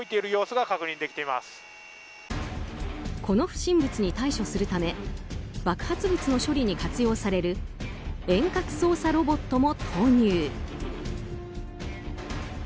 この不審物に対処するため爆発物の処理に活用される遠隔操作ロボットも投入。